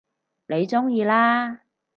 你鍾意啦